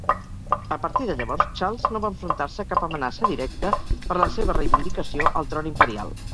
A partir de llavors, Charles no va enfrontar-se a cap amenaça directa per la seva reivindicació al tron imperial.